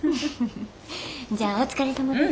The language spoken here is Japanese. じゃあお疲れさまです。